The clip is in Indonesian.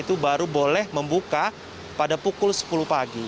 itu baru boleh membuka pada pukul sepuluh pagi